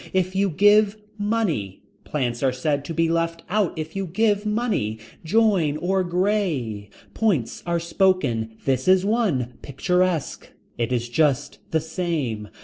If you give money. Plants are said to be left out if you give money. Join or gray. Points are spoken. This in one. Picturesque. It is just the same.